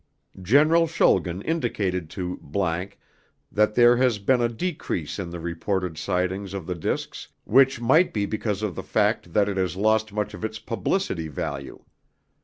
General Schulgen indicated to ____ that there has been a decrease in the reported sightings of the discs which might be because of the fact that it has lost much of its publicity value.